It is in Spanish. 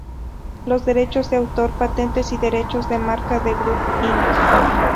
Los derechos de autor, patentes y derechos de marca de Grub, Inc.